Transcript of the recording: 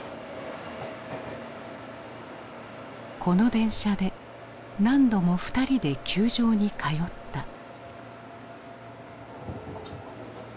この電車で何度も２人で球場に通った。